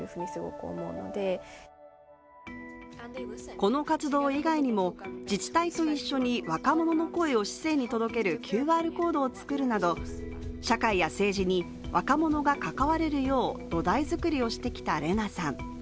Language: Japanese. この活動以外にも、自治体と一緒に若者の声を市政に届けるＱＲコードを作るなど社会や政治に若者が関われるよう土台づくりをしてきたレナさん。